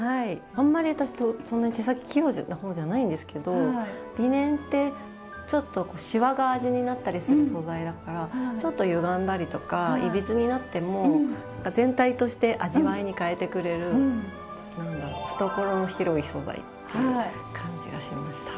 あんまり私そんなに手先器用な方じゃないんですけどリネンってちょっとシワが味になったりする素材だからちょっとゆがんだりとかいびつになっても全体として味わいに変えてくれる何だろう懐の広い素材っていう感じがしました。